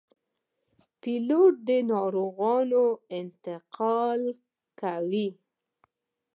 پیلوټ د ناروغانو انتقال کوي.